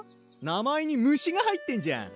名前に「虫」が入ってんじゃん。